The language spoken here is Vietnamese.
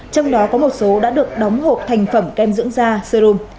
trong đó có một số đã được đóng hộp thành phẩm kem dưỡng da sơm